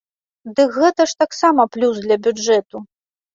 Дык гэта ж таксама плюс для бюджэту.